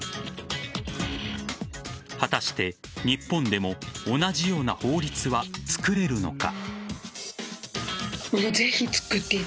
果たして日本でも同じような法律は作れるのか。